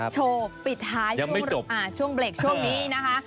โชว์ปิดท้ายช่วงเบรกช่วงนี้นะคะ